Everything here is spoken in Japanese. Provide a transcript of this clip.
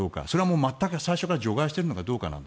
それは全く最初から除外してるのか。